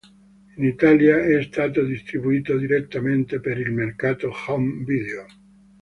In Italia è stato distribuito direttamente per il mercato home video.